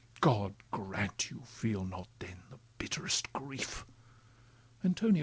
God grant you feel not then the bitterest grief! Antonia!